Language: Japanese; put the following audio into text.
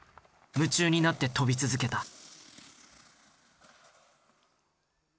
夢中になって飛び続けた。